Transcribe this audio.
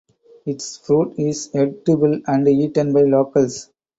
Its fruit is edible and eaten by locals.